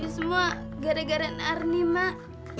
ini semua gara gara narni mak